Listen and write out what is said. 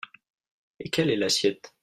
Et quelle est l’assiette?